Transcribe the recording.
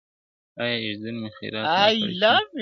یو ایږدن مي خیرات نه کړ چي مي دفع کړي اورونه٫